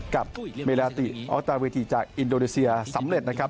กับเมลาติออสตาเวทีจากอินโดนีเซียสำเร็จนะครับ